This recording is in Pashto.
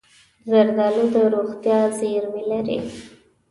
زردالو د روغتیا زېرمې لري.